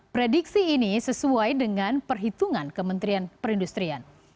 prediksi ini sesuai dengan perhitungan kementerian perindustrian